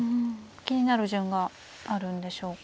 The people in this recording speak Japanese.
気になる順があるんでしょうか。